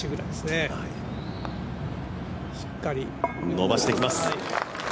伸ばしてきます。